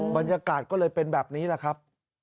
บรรยากาศก็เลยเป็นแบบนี้แหละครับ